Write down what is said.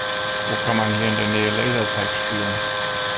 Wo kann man hier in der Nähe Lasertag spielen?